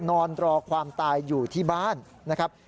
นอนรอความตายอยู่ที่บ้านนะครับ